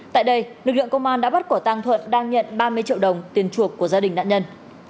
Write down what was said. tại đây lực lượng công an đã bắt quả tăng thuận đang nhận ba mươi triệu đồng tiền chuộc của gia đình nạn nhân